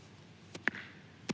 atau banyak lagi